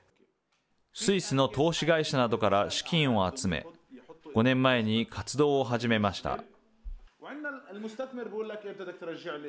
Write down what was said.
スイスの投資会社などから資金を集め、５年前に活動を始めました。